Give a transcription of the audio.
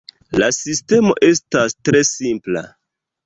La sistemo estas tre simpla.